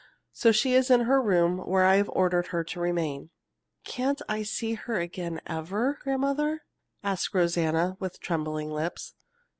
So she is in her room where I have ordered her to remain." "Can't I see her again ever, grandmother?" asked Rosanna, with trembling lips.